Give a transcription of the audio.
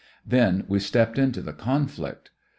Then we stepped into the conflict.